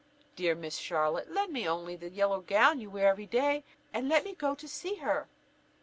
Dear Miss Charlotte, lend me only the yellow gown you wear every day, and let me go to see her."